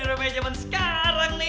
di rumahnya zaman sekarang nih